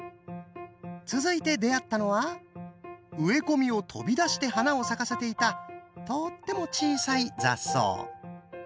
続いて出会ったのは植え込みを飛び出して花を咲かせていたとっても小さい雑草！